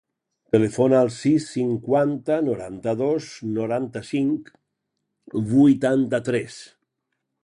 Telefona al sis, cinquanta, noranta-dos, noranta-cinc, vuitanta-tres.